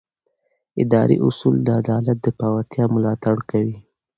اداري اصول د عدالت د پیاوړتیا ملاتړ کوي.